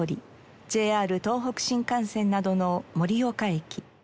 ＪＲ東北新幹線などの盛岡駅。